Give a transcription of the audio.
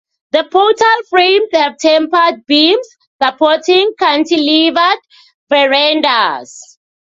The portal frames have tapered beams supporting cantilevered verandahs.